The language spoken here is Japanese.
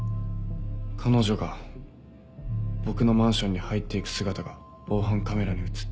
彼女が僕のマンションに入っていく姿が防犯カメラに写っていた。